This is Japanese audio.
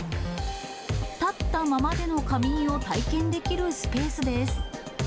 立ったままでの仮眠を体験できるスペースです。